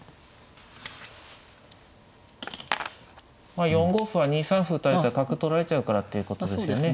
まあ４五歩は２三歩打たれたら角取られちゃうからっていうことですよね。